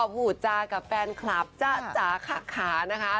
พูดจากับแฟนคลับจ๊ะจ๋าขานะคะ